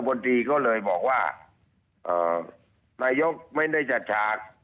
ผมก็บอกว่านายกไม่ได้จัดฉาก